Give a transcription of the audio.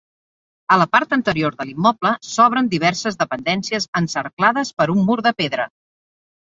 A la part anterior de l'immoble s'obren diverses dependències encerclades per un mur de pedra.